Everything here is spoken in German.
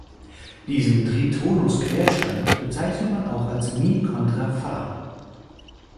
Diesen Tritonus-Querstand bezeichnete man auch als Mi contra Fa.